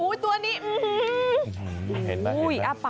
อุ๊ยตัวนี้อ๊ะ